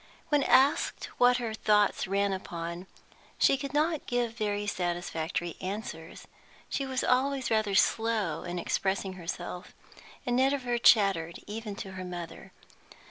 When asked what her thoughts ran upon, she could not give very satisfactory answers; she was always rather slow in expressing herself, and never chattered, even to her mother.